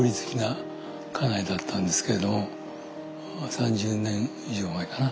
３０年以上前かな。